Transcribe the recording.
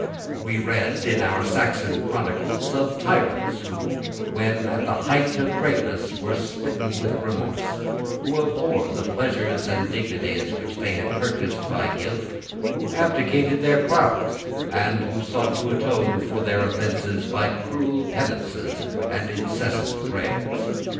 We read in our Saxon chronicles of tyrants, who, when at the height of greatness, were smitten with remorse, who abhorred the pleasures and dignities which they had purchased by guilt, who abdicated their crowns, and who sought to atone for their offences by cruel penances and incessant prayers.